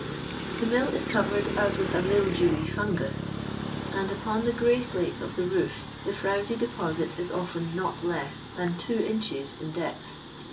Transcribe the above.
The mill is covered as with a mildewy fungus, and upon the gray slates of the roof the frowiy deposit is often not less than two inohM in depth.